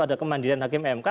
ada kemandirian hakim mk